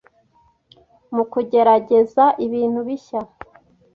mu kugerageza ibintu bishya.